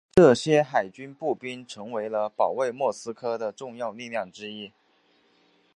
这些海军步兵成为了保卫莫斯科的重要力量之一。